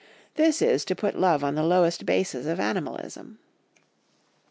This is to put love on the lowest basis of animalism.